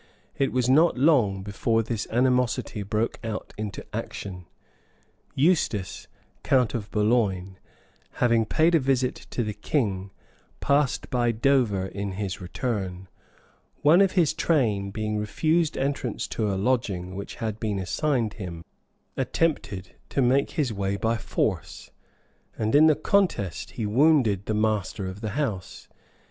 It was not long before this animosity broke out into action. Eustace, count of Boulogne, having paid a visit to the king, passed by Dover in his return: one of his train, being refused entrance to a lodging, which had been assigned him, attempted to make his way by force, and in the contest he wounded the master of the house.